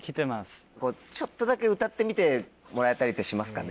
ちょっとだけ歌ってみてもらえたりしますかね？